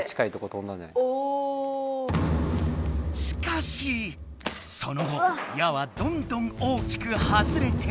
しかしその後矢はどんどん大きく外れていく。